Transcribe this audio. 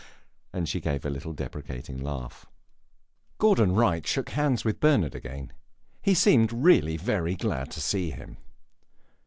And she gave a little deprecating laugh. Gordon Wright shook hands with Bernard again; he seemed really very glad to see him.